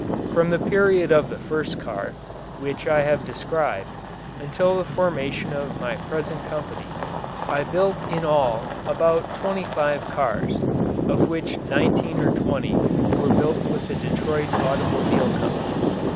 From the period of the first car, which I have described, until the formation of my present company I built in all about twenty five cars, of which nineteen or twenty were built with the Detroit Automobile Company.